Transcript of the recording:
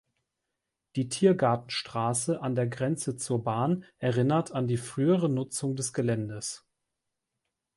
Die Tiergartenstraße an der Grenze zur Bahn erinnert an die frühere Nutzung des Geländes.